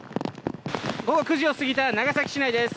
午後９時を過ぎた長崎市内です。